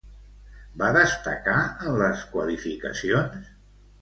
Va destacar en les qualificacions?